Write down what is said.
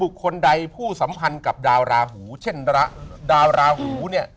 คนใดผู้สัมพันธ์กับดาวราหูเช่นดาวราหูเนี่ย